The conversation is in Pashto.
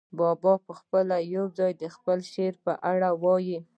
بابا پخپله یو ځای د خپل شعر په اړه وايي.